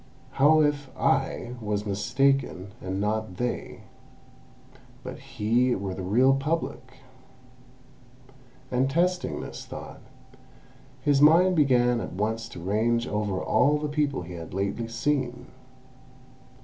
How if I was mistaken, and not they, but he were the real Public?" And testing this thought, his mind began at once to range over all the people he had lately seen.